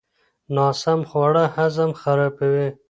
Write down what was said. ناسم خواړه هضم خرابوي.